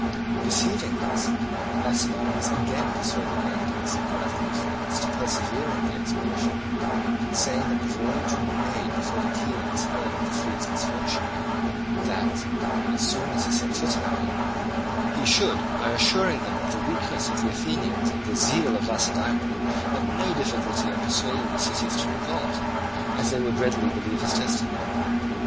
Perceiving this, Alcibiades again persuaded Endius and the other ephors to persevere in the expedition, saying that the voyage would be made before the Chians heard of the fleet's misfortune, and that as soon as he set foot in Ionia, he should, by assuring them of the weakness of the Athenians and the zeal of Lacedaemon, have no difficulty in persuading the cities to revolt, as they would readily believe his testimony.